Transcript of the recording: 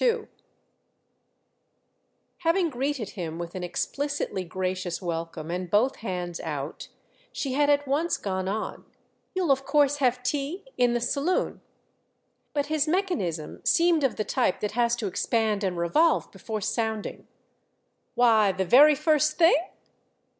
II Having greeted him with an explicitly gracious welcome and both hands out, she had at once gone on: "You'll of course have tea?—in the saloon." But his mechanism seemed of the type that has to expand and revolve before sounding. "Why; the very first thing?"